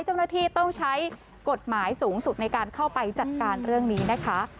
เจ้าหน้าที่ต้องใช้กฎหมายสูงสุดในการเข้าไปจัดการเรื่องนี้นะคะ